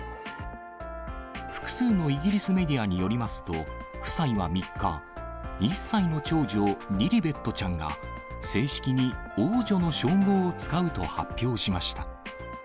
複数のイギリスメディアによりますと、夫妻は３日、１歳の長女、リリベットちゃんが、正式に王女の称号を使うと発表しました。